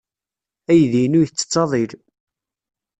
Aydi-inu yettett aḍil.